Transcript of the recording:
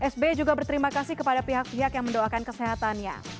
sby juga berterima kasih kepada pihak pihak yang mendoakan kesehatannya